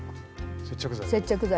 接着剤。